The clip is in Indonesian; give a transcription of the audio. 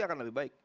akan lebih baik